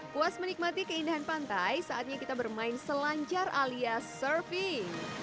puas menikmati keindahan pantai saatnya kita bermain selancar alias surfing